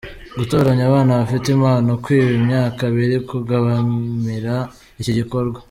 Gutoranya abana bafite impano: Kwiba imyaka biri kubangamira iki gikorwa.